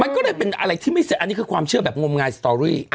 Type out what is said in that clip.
มันก็เลยเป็นอะไรที่ไม่เสร็จอันนี้คือความเชื่อแบบงมงายสตอรี่